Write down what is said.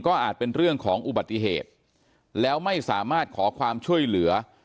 อาจเป็นเรื่องของอุบัติเหตุแล้วไม่สามารถขอความช่วยเหลือ